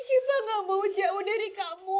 cinta gak mau jauh dari kamu